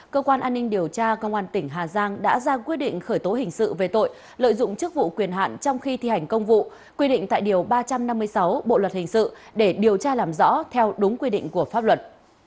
cơ quan an ninh điều tra công an tỉnh hà giang đã ra quyết định khởi tố hình sự về tội lợi dụng chức vụ quyền hạn trong khi thi hành công vụ quy định tại điều ba trăm năm mươi sáu bộ luật hình sự để điều tra làm rõ theo đúng quy định của pháp luật